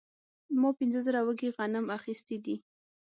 ما پنځه زره وږي غنم اخیستي دي